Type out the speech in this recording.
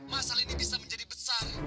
masalah ini bisa menjadi besar